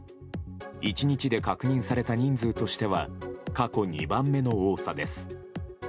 １日で確認された人数としては過去２番目の多さです。